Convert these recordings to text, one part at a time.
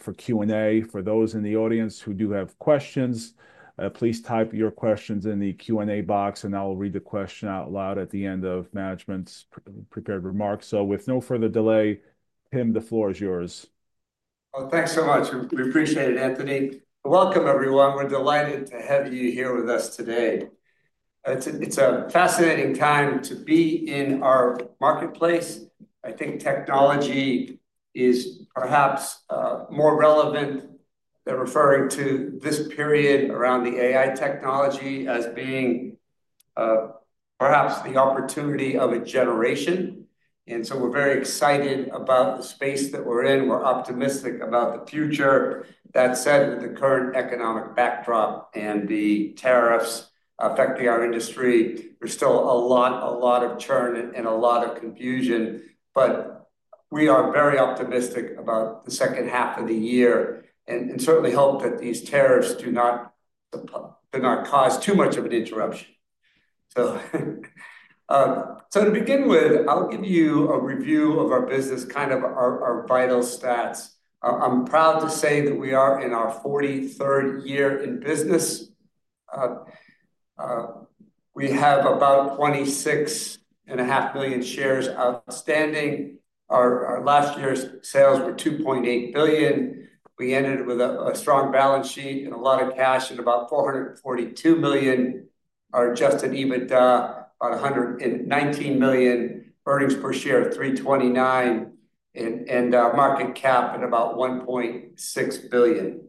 For Q&A, for those in the audience who do have questions, please type your questions in the Q&A box, and I'll read the question out loud at the end of Management's prepared remarks. With no further delay, Tim, the floor is yours. Oh, thanks so much. We appreciate it, Anthony. Welcome, everyone. We're delighted to have you here with us today. It's a fascinating time to be in our marketplace. I think technology is perhaps more relevant. They're referring to this period around the AI technology as being perhaps the opportunity of a generation. We are very excited about the space that we're in. We're optimistic about the future. That said, with the current economic backdrop and the tariffs affecting our industry, there's still a lot of churn and a lot of confusion. We are very optimistic about the second half of the year and certainly hope that these tariffs do not cause too much of an interruption. To begin with, I'll give you a review of our business, kind of our vital stats. I'm proud to say that we are in our 43rd year in business. We have about 26.5 million shares outstanding. Our last year's sales were $2.8 billion. We ended with a strong balance sheet and a lot of cash, and about $442 million are just in EBITDA, about $119 million, earnings per share of $3.29, and market cap at about $1.6 billion.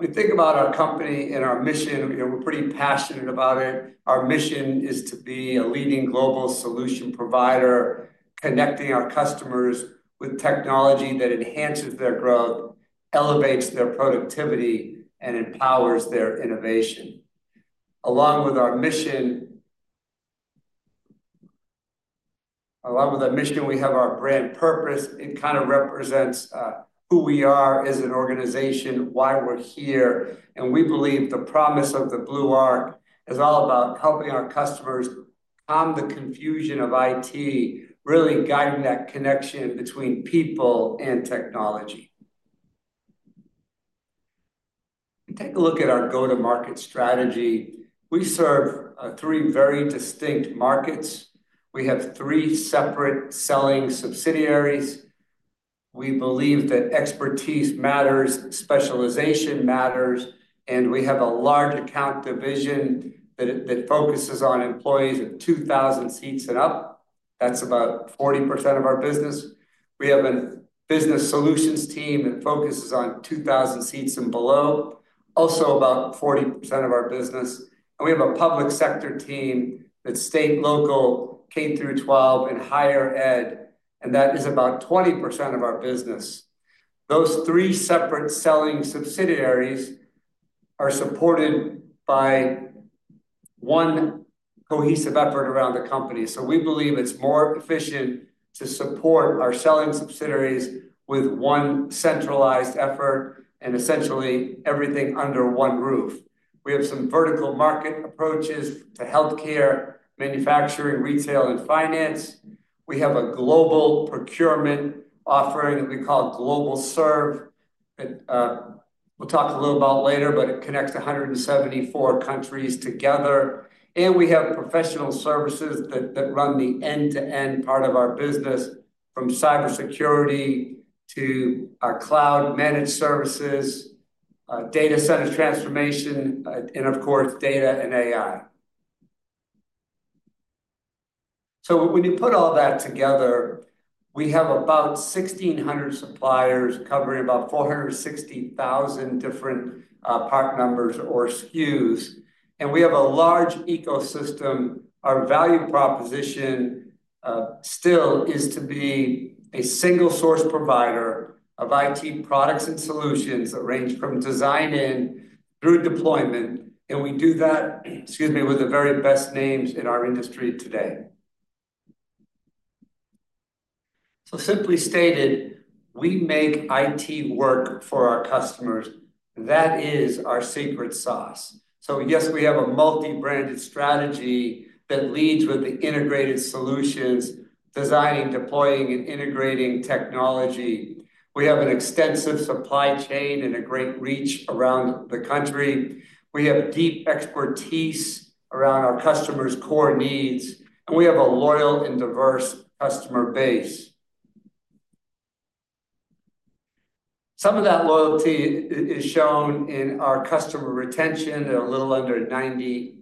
We think about our company and our mission. We're pretty passionate about it. Our mission is to be a leading global solution provider, connecting our customers with technology that enhances their growth, elevates their productivity, and empowers their innovation. Along with our mission, we have our brand purpose. It kind of represents who we are as an organization, why we're here. We believe the promise of the Blue Arc is all about helping our customers calm the confusion of IT, really guiding that connection between people and technology. Take a look at our go-to-market strategy. We serve three very distinct markets. We have three separate selling subsidiaries. We believe that expertise matters, specialization matters, and we have a large account division that focuses on employees of 2,000 seats and up. That's about 40% of our business. We have a Business Solutions team that focuses on 2,000 seats and below, also about 40% of our business. We have a Public Sector team that's state, local, K-12, and higher ed, and that is about 20% of our business. Those three separate selling subsidiaries are supported by one cohesive effort around the company. We believe it's more efficient to support our selling subsidiaries with one centralized effort and essentially everything under one roof. We have some vertical market approaches to healthcare, manufacturing, retail, and finance. We have a global procurement offering that we call GlobalServe. We'll talk a little about later, but it connects 174 countries together. We have professional services that run the end-to-end part of our business, from cybersecurity to cloud-managed services, data center transformation, and of course, data and AI. When you put all that together, we have about 1,600 suppliers covering about 460,000 different part numbers or SKUs. We have a large ecosystem. Our value proposition still is to be a single-source provider of IT products and solutions that range from design in through deployment. We do that, excuse me, with the very best names in our industry today. Simply stated, we make IT work for our customers. That is our secret sauce. Yes, we have a multi-branded strategy that leads with the integrated solutions, designing, deploying, and integrating technology. We have an extensive supply chain and a great reach around the country. We have deep expertise around our customers' core needs, and we have a loyal and diverse customer base. Some of that loyalty is shown in our customer retention, a little under 90,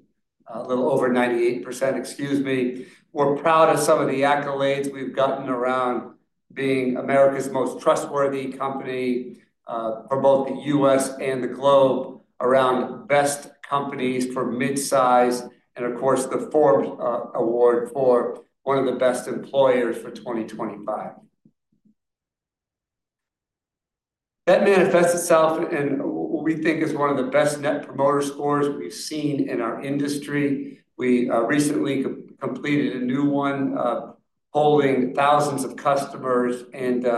a little over 98%, excuse me. We're proud of some of the accolades we've gotten around being America's most trustworthy company for both the U.S. and the globe around best companies for mid-size, and of course, the Forbes Award for one of the best employers for 2025. That manifests itself in what we think is one of the best Net promoter scores we've seen in our industry. We recently completed a new one holding thousands of customers and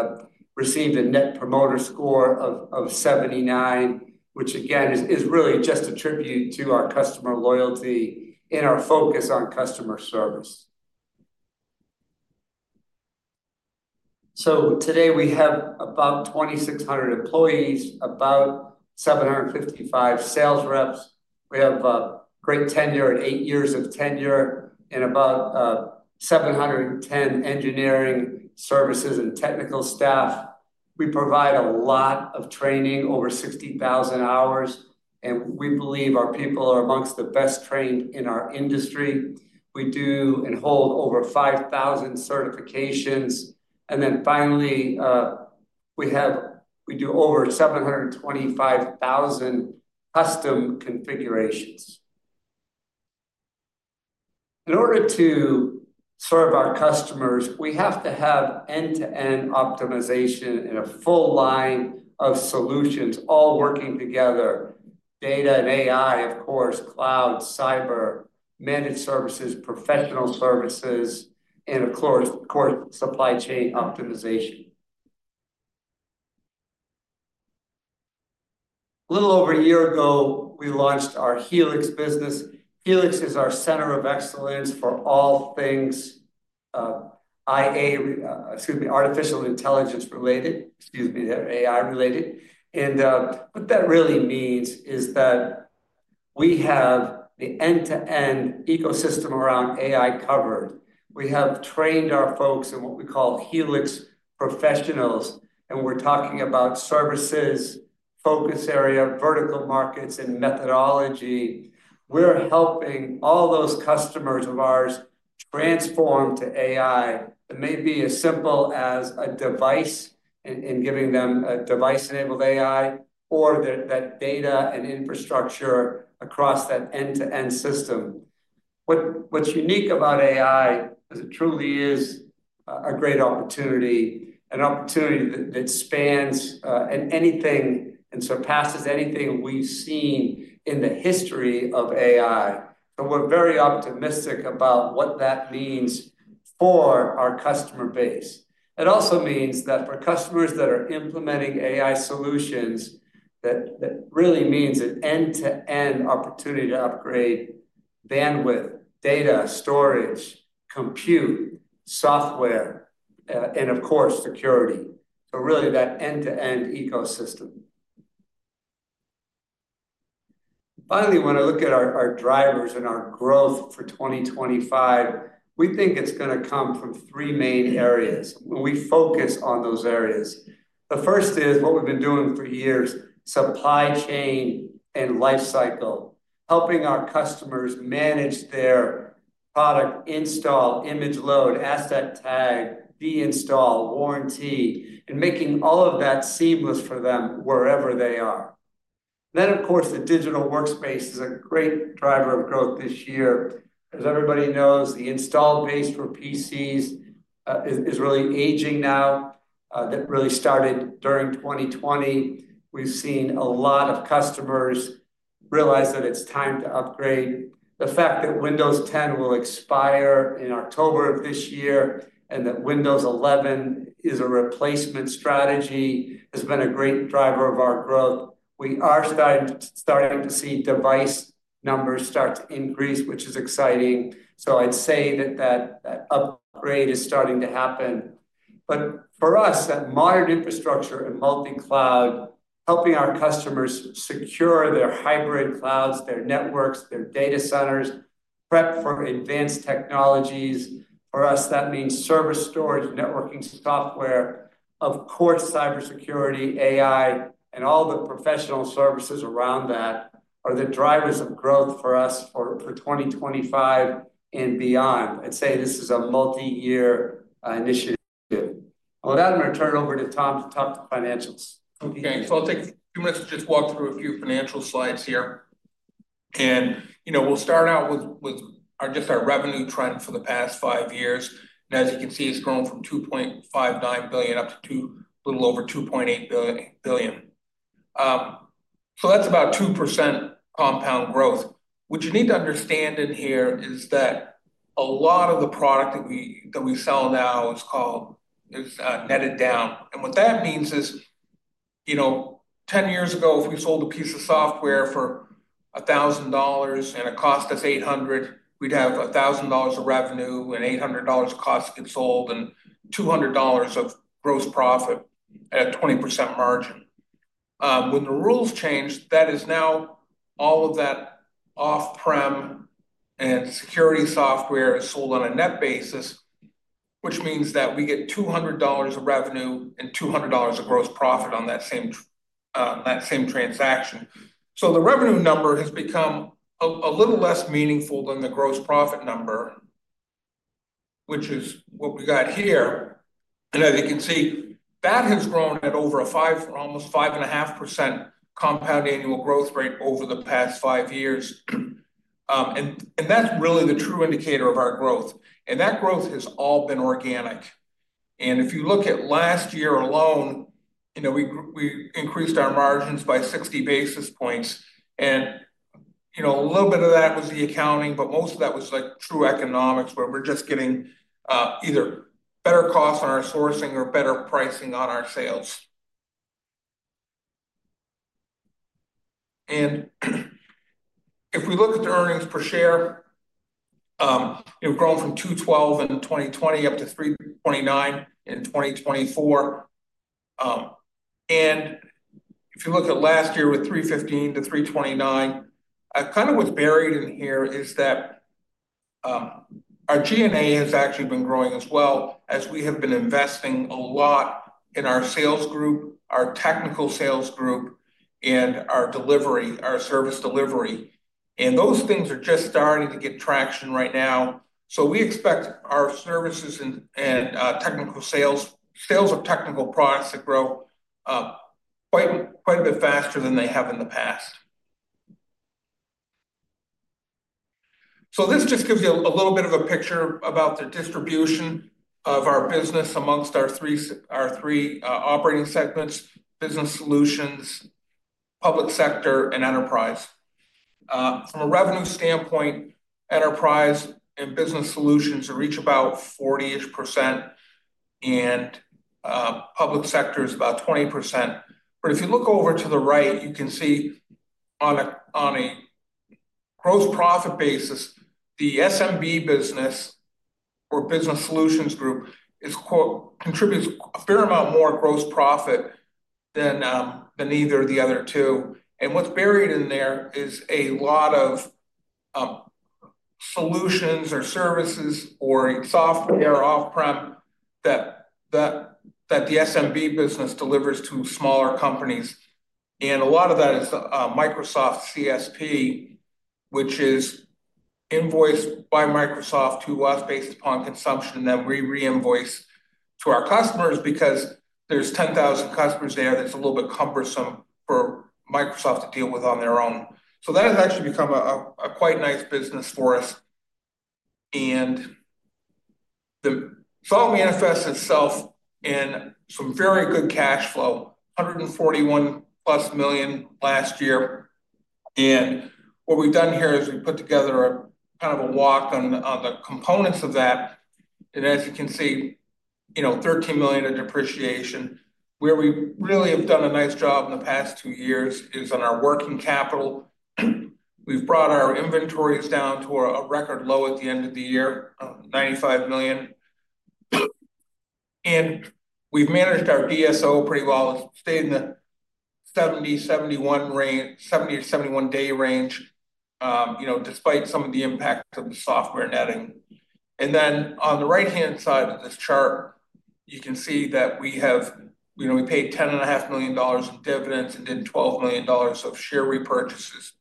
received a net promoter score of 79, which again is really just a tribute to our customer loyalty and our focus on customer service. Today we have about 2,600 employees, about 755 sales reps. We have a great tenure at eight years of tenure and about 710 engineering services and technical staff. We provide a lot of training, over 60,000 hours, and we believe our people are amongst the best trained in our industry. We do and hold over 5,000 certifications. Finally, we do over 725,000 custom configurations. In order to serve our customers, we have to have end-to-end optimization and a full line of solutions all working together: data and AI, of course, cloud, cyber, managed services, professional services, and of course, supply chain optimization. A little over a year ago, we launched our Helix business. Helix is our center of excellence for all things, IA, excuse me, artificial intelligence related, excuse me, AI related. What that really means is that we have the end-to-end ecosystem around AI covered. We have trained our folks in what we call Helix professionals, and we're talking about services, focus area, vertical markets, and methodology. We're helping all those customers of ours transform to AI that may be as simple as a device and giving them a device-enabled AI or that data and infrastructure across that end-to-end system. What's unique about AI is it truly is a great opportunity, an opportunity that spans anything and surpasses anything we've seen in the history of AI. We are very optimistic about what that means for our customer base. It also means that for customers that are implementing AI solutions, that really means an end-to-end opportunity to upgrade bandwidth, data, storage, compute, software, and of course, security. Really that end-to-end ecosystem. Finally, when I look at our drivers and our growth for 2025, we think it's going to come from three main areas. We focus on those areas. The first is what we've been doing for years: supply chain and lifecycle, helping our customers manage their product install, image load, asset tag, deinstall, warranty, and making all of that seamless for them wherever they are. Of course, the digital workspace is a great driver of growth this year. As everybody knows, the install base for PCs is really aging now. That really started during 2020. We've seen a lot of customers realize that it's time to upgrade. The fact that Windows 10 will expire in October of this year and that Windows 11 is a replacement strategy has been a great driver of our growth. We are starting to see device numbers start to increase, which is exciting. I'd say that that upgrade is starting to happen. For us, that modern infrastructure and multi-cloud helping our customers secure their hybrid clouds, their networks, their data centers, prep for advanced technologies. For us, that means server storage, networking software, of course, cybersecurity, AI, and all the professional services around that are the drivers of growth for us for 2025 and beyond. I'd say this is a multi-year initiative. On that, I'm going to turn it over to Tom to talk to financials. Thanks. I'll take a few minutes to just walk through a few financial slides here. We'll start out with just our revenue trend for the past five years. As you can see, it's grown from $2.59 billion up to a little over $2.8 billion. That's about 2% compound growth. What you need to understand in here is that a lot of the product that we sell now is netted down. What that means is, 10 years ago, if we sold a piece of software for $1,000 and it cost us $800, we'd have $1,000 of revenue and $800 cost of goods sold and $200 of gross profit at a 20% margin. When the rules changed, that is now all of that off-prem and security software is sold on a net basis, which means that we get $200 of revenue and $200 of gross profit on that same transaction. The revenue number has become a little less meaningful than the gross profit number, which is what we got here. As you can see, that has grown at over almost 5.5% compound annual growth rate over the past five years. That is really the true indicator of our growth. That growth has all been organic. If you look at last year alone, we increased our margins by 60 basis points. A little bit of that was the accounting, but most of that was true economics where we're just getting either better costs on our sourcing or better pricing on our sales. If we look at the earnings per share, we've grown from $2.12 in 2020 up to $3.29 in 2024. If you look at last year with $3.15 to $3.29, kind of what's buried in here is that our G&A has actually been growing as well as we have been investing a lot in our sales group, our technical sales group, and our service delivery. Those things are just starting to get traction right now. We expect our services and technical sales, sales of technical products to grow quite a bit faster than they have in the past. This just gives you a little bit of a picture about the distribution of our business amongst our three operating segments: business solutions, public sector, and enterprise. From a revenue standpoint, enterprise and business solutions reach about 40% each, and public sector is about 20%. If you look over to the right, you can see on a gross profit basis, the SMB business or business solutions group contributes a fair amount more gross profit than either of the other two. What's buried in there is a lot of solutions or services or software off-prem that the SMB business delivers to smaller companies. A lot of that is Microsoft CSP, which is invoiced by Microsoft to us based upon consumption, and then we re-invoice to our customers because there are 10,000 customers there. That's a little bit cumbersome for Microsoft to deal with on their own. That has actually become a quite nice business for us. It manifests itself in some very good cash flow, $141 million plus last year. What we've done here is we've put together kind of a walk on the components of that. As you can see, $13 million of depreciation. Where we really have done a nice job in the past two years is on our working capital. We have brought our inventories down to a record low at the end of the year, $95 million. We have managed our DSO pretty well. It stayed in the 70-71 day range despite some of the impact of the software netting. On the right-hand side of this chart, you can see that we paid $10.5 million in dividends and did $12 million of share repurchases.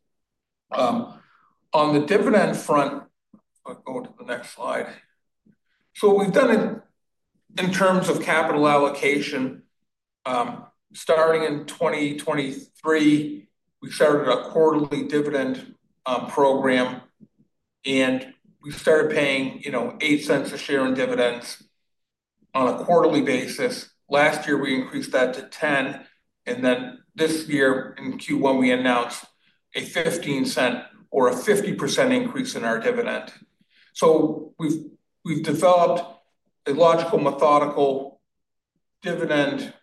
On the dividend front, I will go to the next slide. What we have done in terms of capital allocation, starting in 2023, we started a quarterly dividend program, and we started paying $0.08 a share in dividends on a quarterly basis. Last year, we increased that to $0.10. This year in Q1, we announced a $0.15 or a 50% increase in our dividend. We have developed a logical, methodical dividend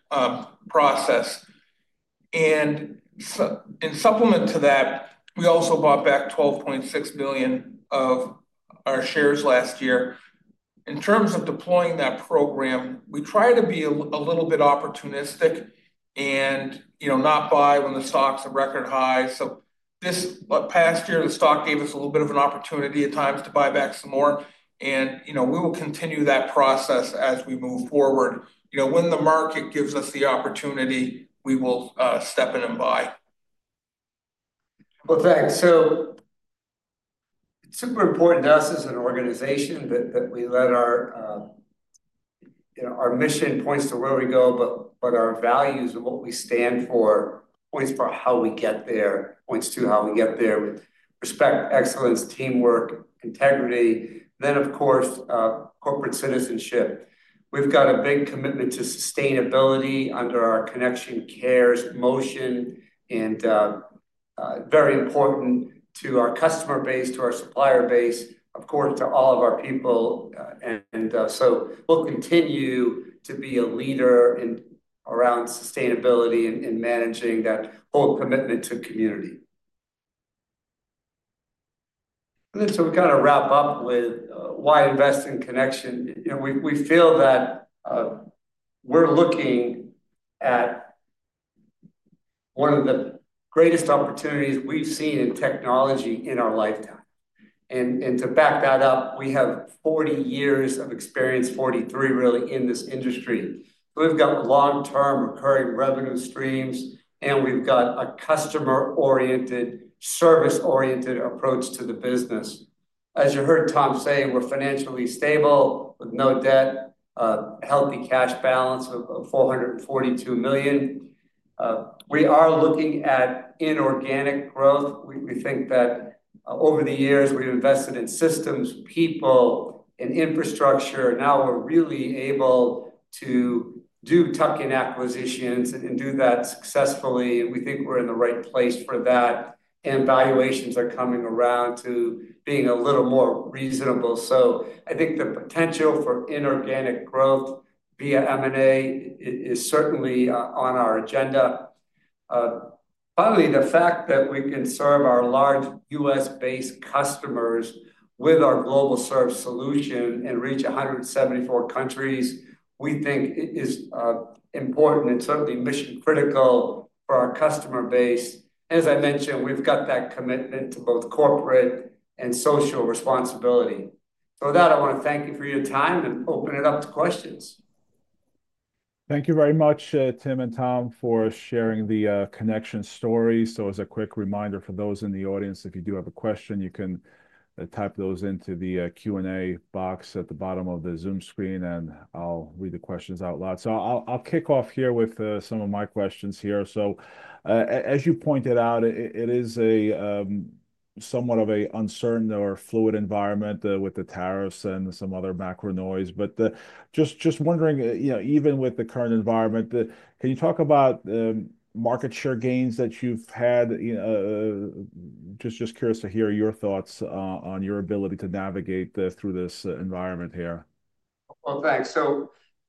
process. In supplement to that, we also bought back $12.6 million of our shares last year. In terms of deploying that program, we try to be a little bit opportunistic and not buy when the stock's at record highs. This past year, the stock gave us a little bit of an opportunity at times to buy back some more. We will continue that process as we move forward. When the market gives us the opportunity, we will step in and buy. Thanks. It is super important to us as an organization that we let our mission point to where we go, but our values and what we stand for point to how we get there, with respect, excellence, teamwork, integrity. Of course, corporate citizenship. We have a big commitment to sustainability under our Connection Cares motion, and very important to our customer base, to our supplier base, of course, to all of our people. We will continue to be a leader around sustainability and managing that whole commitment to community. We kind of wrap up with why invest in Connection. We feel that we are looking at one of the greatest opportunities we have seen in technology in our lifetime. To back that up, we have 40 years of experience, 43 really, in this industry. We've got long-term recurring revenue streams, and we've got a customer-oriented, service-oriented approach to the business. As you heard Tom say, we're financially stable with no debt, healthy cash balance of $442 million. We are looking at inorganic growth. We think that over the years, we've invested in systems, people, and infrastructure. Now we're really able to do tuck-in acquisitions and do that successfully. We think we're in the right place for that. Valuations are coming around to being a little more reasonable. I think the potential for inorganic growth via M&A is certainly on our agenda. Finally, the fact that we can serve our large U.S.-based customers with our global service solution and reach 174 countries, we think is important and certainly mission-critical for our customer base. As I mentioned, we've got that commitment to both corporate and social responsibility.I want to thank you for your time and open it up to questions. Thank you very much, Tim and Tom, for sharing the Connection story. As a quick reminder for those in the audience, if you do have a question, you can type those into the Q&A box at the bottom of the Zoom screen, and I'll read the questions out loud. I'll kick off here with some of my questions here. As you pointed out, it is somewhat of an uncertain or fluid environment with the tariffs and some other macro noise. Just wondering, even with the current environment, can you talk about market share gains that you've had? Just curious to hear your thoughts on your ability to navigate through this environment here. Thanks.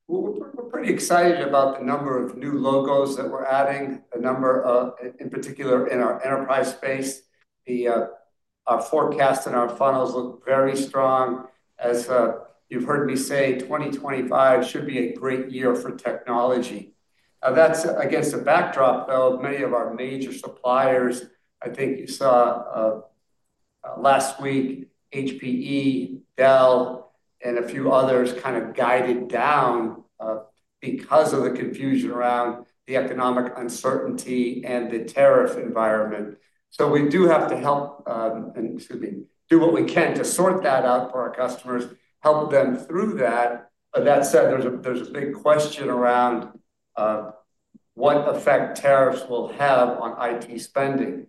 We're pretty excited about the number of new logos that we're adding, a number in particular in our enterprise space. Our forecasts and our funnels look very strong. As you've heard me say, 2025 should be a great year for technology. That's against the backdrop, though, of many of our major suppliers. I think you saw last week, HPE, Dell, and a few others kind of guided down because of the confusion around the economic uncertainty and the tariff environment. We do have to help, excuse me, do what we can to sort that out for our customers, help them through that. That said, there's a big question around what effect tariffs will have on IT spending.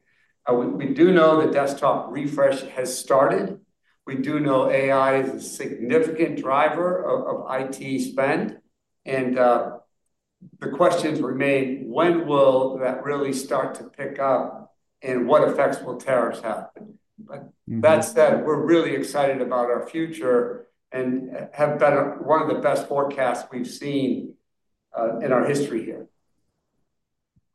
We do know the desktop refresh has started. We do know AI is a significant driver of IT spend. The questions remain, when will that really start to pick up and what effects will tariffs have? That said, we're really excited about our future and have one of the best forecasts we've seen in our history here.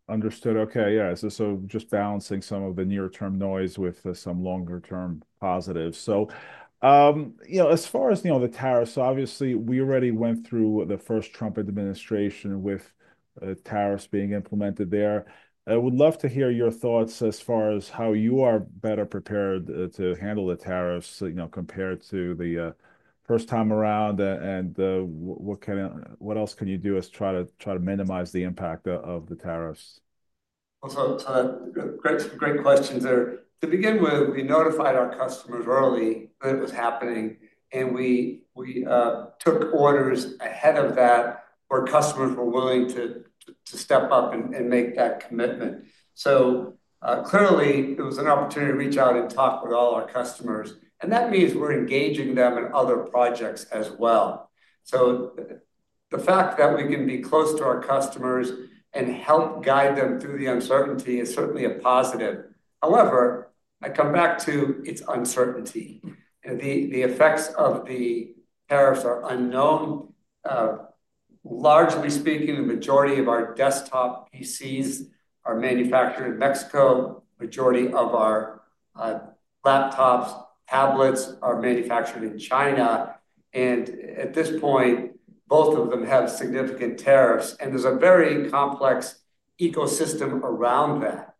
Understood. Okay. Yeah. Just balancing some of the near-term noise with some longer-term positives. As far as the tariffs, obviously, we already went through the first Trump administration with tariffs being implemented there. I would love to hear your thoughts as far as how you are better prepared to handle the tariffs compared to the first time around and what else can you do to try to minimize the impact of the tariffs? Great questions there. To begin with, we notified our customers early that it was happening, and we took orders ahead of that where customers were willing to step up and make that commitment. Clearly, it was an opportunity to reach out and talk with all our customers. That means we're engaging them in other projects as well. The fact that we can be close to our customers and help guide them through the uncertainty is certainly a positive. However, I come back to its uncertainty. The effects of the tariffs are unknown. Largely speaking, the majority of our desktop PCs are manufactured in Mexico. The majority of our laptops, tablets are manufactured in China. At this point, both of them have significant tariffs. There is a very complex ecosystem around that.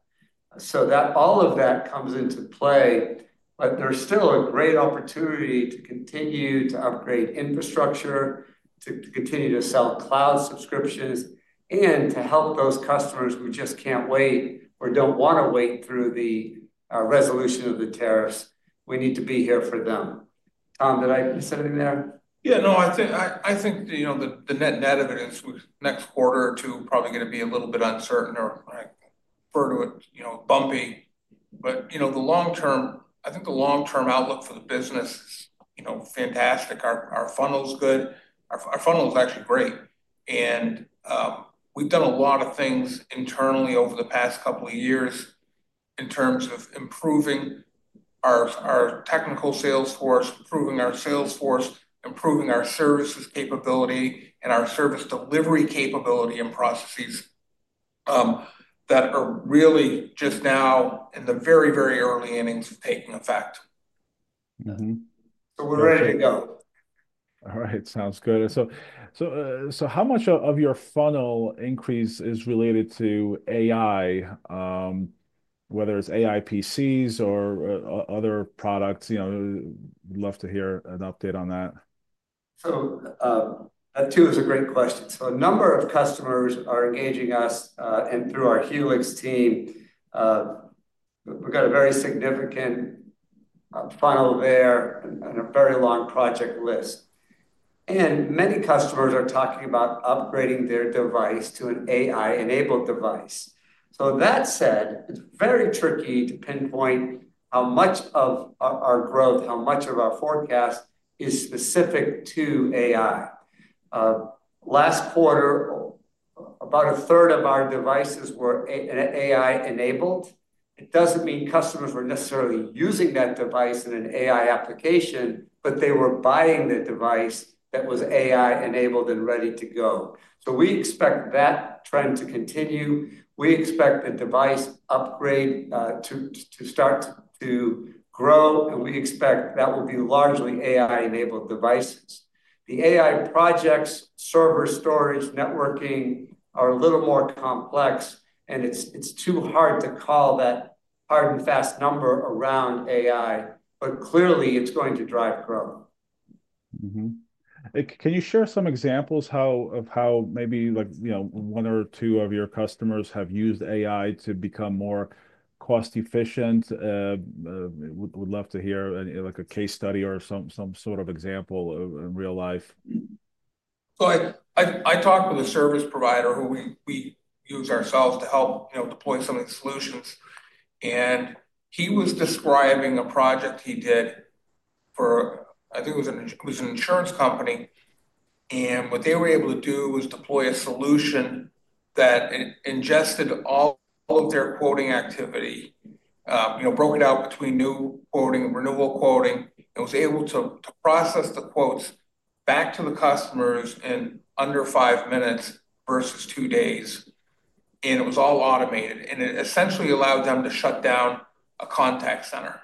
All of that comes into play. There is still a great opportunity to continue to upgrade infrastructure, to continue to sell cloud subscriptions, and to help those customers who just can't wait or don't want to wait through the resolution of the tariffs. We need to be here for them. Tom, did I miss anything there? Yeah. No, I think the net of it is next quarter or two probably going to be a little bit uncertain or further bumpy. I think the long-term outlook for the business is fantastic. Our funnel is good. Our funnel is actually great. We've done a lot of things internally over the past couple of years in terms of improving our technical sales force, improving our sales force, improving our services capability, and our service delivery capability and processes that are really just now in the very, very early innings of taking effect. We're ready to go. All right. Sounds good. How much of your funnel increase is related to AI, whether it's AI PCs or other products? We'd love to hear an update on that. That, too, is a great question. A number of customers are engaging us and through our Helix team. We've got a very significant funnel there and a very long project list. Many customers are talking about upgrading their device to an AI-enabled device. That said, it's very tricky to pinpoint how much of our growth, how much of our forecast is specific to AI. Last quarter, about a third of our devices were AI-enabled. It doesn't mean customers were necessarily using that device in an AI application, but they were buying the device that was AI-enabled and ready to go. We expect that trend to continue. We expect the device upgrade to start to grow. We expect that will be largely AI-enabled devices. The AI projects, server storage, networking are a little more complex, and it's too hard to call that hard and fast number around AI, but clearly, it's going to drive growth. Can you share some examples of how maybe one or two of your customers have used AI to become more cost-efficient? We'd love to hear a case study or some sort of example in real life. I talked with a service provider who we use ourselves to help deploy some of these solutions. He was describing a project he did for, I think it was an insurance company. What they were able to do was deploy a solution that ingested all of their quoting activity, broke it out between new quoting, renewal quoting, and was able to process the quotes back to the customers in under five minutes versus two days. It was all automated. It essentially allowed them to shut down a contact center.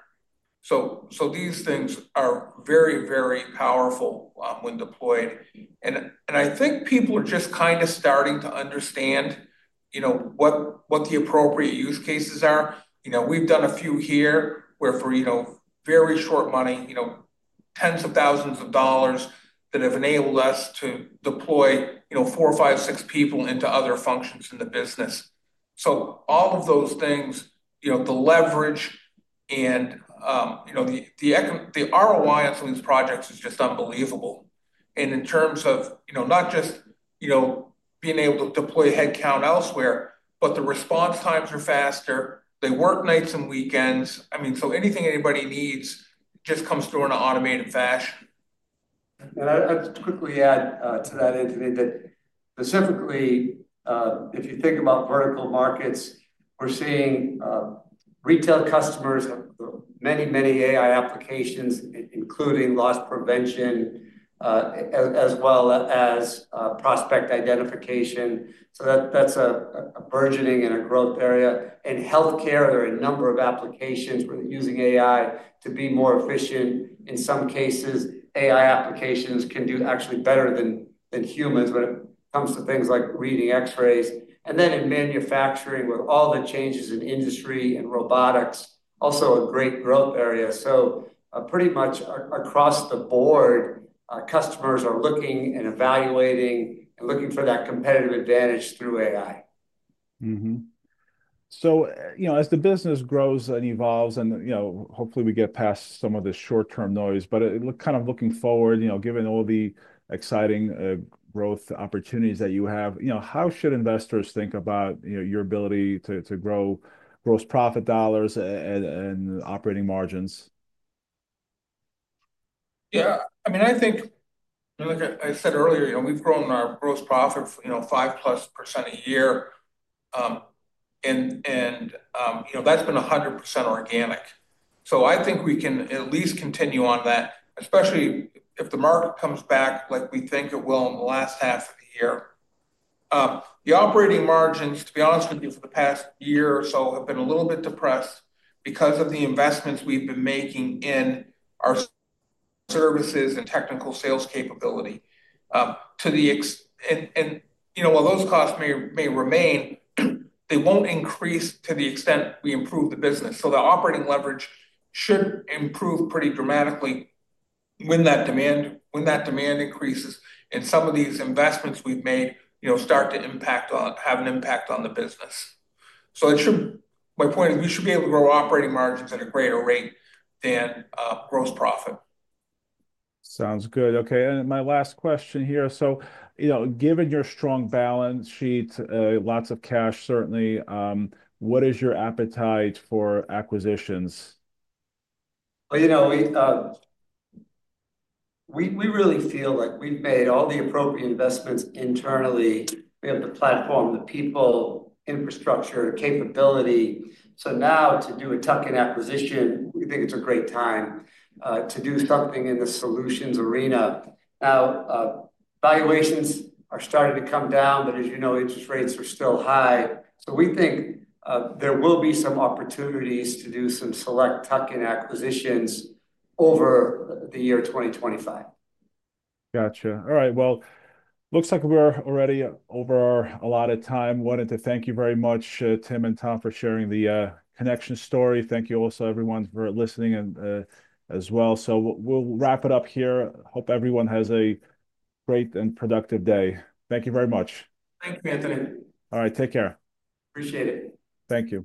These things are very, very powerful when deployed. I think people are just kind of starting to understand what the appropriate use cases are. We've done a few here where for very short money, tens of thousands of dollars that have enabled us to deploy four, five, six people into other functions in the business. All of those things, the leverage and the ROI on some of these projects is just unbelievable. In terms of not just being able to deploy headcount elsewhere, the response times are faster. They work nights and weekends. I mean, anything anybody needs just comes through in an automated fashion. I'd quickly add to that, Anthony, that specifically, if you think about vertical markets, we're seeing retail customers have many, many AI applications, including loss prevention as well as prospect identification. That's a burgeoning and a growth area. In healthcare, there are a number of applications where they're using AI to be more efficient. In some cases, AI applications can do actually better than humans when it comes to things like reading X-rays. In manufacturing, with all the changes in industry and robotics, also a great growth area. Pretty much across the board, customers are looking and evaluating and looking for that competitive advantage through AI. As the business grows and evolves, and hopefully, we get past some of the short-term noise, but kind of looking forward, given all the exciting growth opportunities that you have, how should investors think about your ability to grow gross profit dollars and operating margins? Yeah. I mean, I think, like I said earlier, we've grown our gross profit 5-plus % a year. And that's been 100% organic. I think we can at least continue on that, especially if the market comes back like we think it will in the last half of the year. The operating margins, to be honest with you, for the past year or so have been a little bit depressed because of the investments we've been making in our services and technical sales capability. While those costs may remain, they won't increase to the extent we improve the business. The operating leverage should improve pretty dramatically when that demand increases and some of these investments we've made start to have an impact on the business. My point is we should be able to grow operating margins at a greater rate than gross profit. Sounds good. Okay. My last question here. Given your strong balance sheet, lots of cash, certainly, what is your appetite for acquisitions? We really feel like we've made all the appropriate investments internally. We have the platform, the people, infrastructure, capability. Now to do a tuck-in acquisition, we think it's a great time to do something in the solutions arena. Now, valuations are starting to come down, but as you know, interest rates are still high. We think there will be some opportunities to do some select tuck-in acquisitions over the year 2025. Gotcha. All right. Looks like we're already over a lot of time. Wanted to thank you very much, Tim and Tom, for sharing the Connection story. Thank you also, everyone, for listening as well. We'll wrap it up here. Hope everyone has a great and productive day. Thank you very much. Thank you, Anthony. All right. Take care. Appreciate it. Thank you.